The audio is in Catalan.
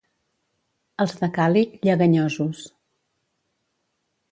Els de Càlig, lleganyosos.